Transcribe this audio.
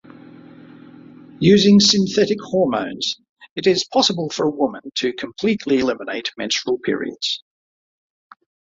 Using synthetic hormones, it is possible for a woman to completely eliminate menstrual periods.